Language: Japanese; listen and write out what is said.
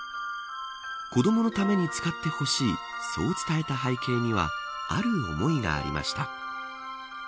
子どものために使ってほしいそう伝えた背景にはある思いがありました。